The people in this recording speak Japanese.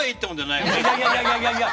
いやいやいやいや。